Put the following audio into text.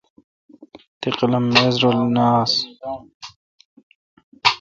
تی قلم میز رل نہ آس۔